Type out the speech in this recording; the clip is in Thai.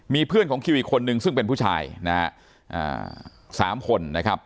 มีเพื่อนของคิวอีกคนนึงซึ่งเป็นผู้ชายนะฮะสามคนนะครับ